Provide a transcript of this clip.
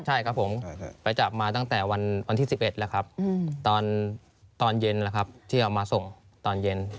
ใช่ครับผมไปจับมาตั้งแต่วันที่๑๑แล้วครับตอนเย็นแล้วครับที่เอามาส่งตอนเย็น